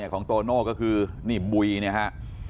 ของโตโน่ก็คือนี่บุยนะฮะ